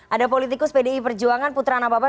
ada politikus pdi perjuangan putra anababan